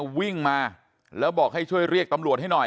ตรของหอพักที่อยู่ในเหตุการณ์เมื่อวานนี้ตอนค่ำบอกให้ช่วยเรียกตำรวจให้หน่อย